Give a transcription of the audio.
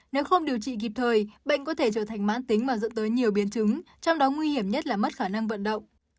nếu không điều trị kịp thời bệnh có thể trở thành mãn tính mà dẫn tới nhiều biến chứng trong đó nguy hiểm nhất là mất khả năng vận động